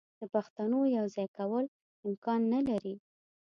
د پښتونو یو ځای کول امکان نه لري.